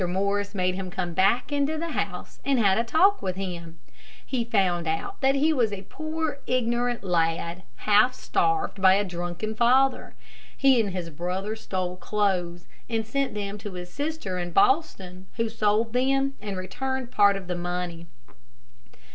Morris made him come back into the house, and had a talk with him. He found out that he was a poor, ignorant lad, half starved by a drunken father. He and his brother stole clothes, and sent them to his sister in Boston, who sold them and returned part of the money.